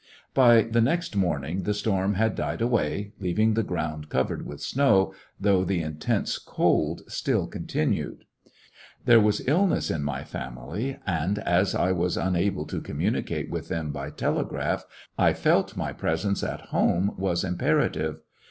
Out of it alive By the next morning the storm had died away, leaving the ground covered with snow, though the intense cold still continued. 94 'IJ/iissionarY in t^ Great West There was illness in my family, and as I was unable to communicate with them by tele graph, I felt my presence at home was impera tive.